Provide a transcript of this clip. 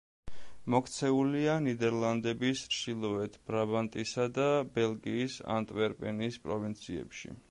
მოქცეულია ნიდერლანდების ჩრდილოეთ ბრაბანტისა და ბელგიის ანტვერპენის პროვინციებში.